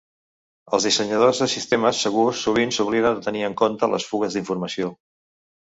Els dissenyadors de sistemes segurs sovint s'obliden de tenir en compte les fugues d'informació.